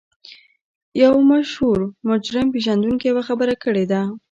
یوه مشهور مجرم پېژندونکي یوه خبره کړې ده